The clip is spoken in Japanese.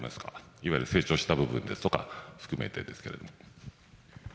いわゆる成長した部分ですとか含めてですが。